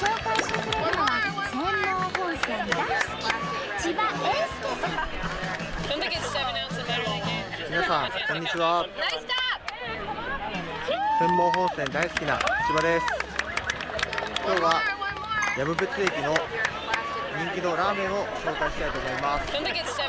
紹介してくれるのは釧網本線大好き今日は止別駅の人気のラーメンを紹介したいと思います。